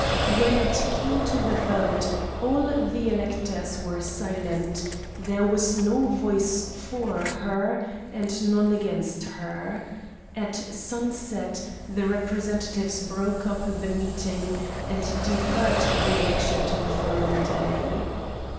When it came to the vote, all the electors were silent, there was no voice for her and none against her. At sunset the representatives broke up the meeting, and deferred the election to the following day.